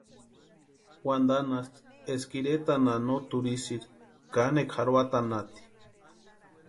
Wantanhasti eska iretanha no turhisïri kanekwa jarhoatanhati.